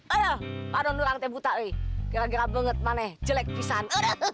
aduh padang orangnya buta nih gara gara banget jelek pisan